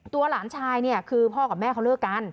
ตัวหลานชายคือพ่อกับแม่เขาเลิกกัน